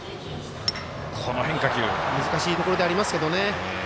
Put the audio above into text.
難しいところではありますけどね。